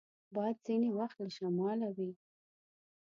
باد ځینې وخت له شماله وي